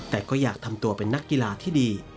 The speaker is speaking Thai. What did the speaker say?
แต่ก็อยากทำตัวเป็นนักกีฬาที่ดี